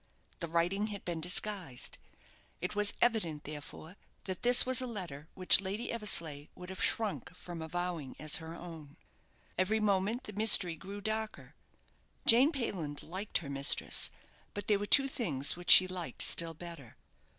The writing had been disguised. It was evident, therefore, that this was a letter which Lady Eversleigh would have shrunk from avowing as her own. Every moment the mystery grew darker. Jane Payland liked her mistress; but there were two things which she liked still better.